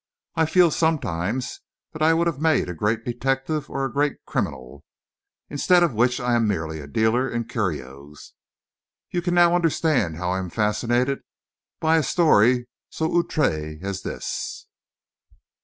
I feel sometimes that I would have made a great detective or a great criminal. Instead of which, I am merely a dealer in curios. You can understand how I am fascinated by a story so outré as this."